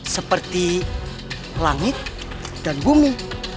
seperti langit dan bumi